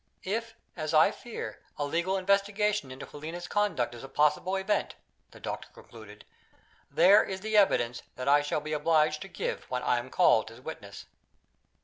"If, as I fear, a legal investigation into Helena's conduct is a possible event," the doctor concluded, "there is the evidence that I shall be obliged to give, when I am called as a witness."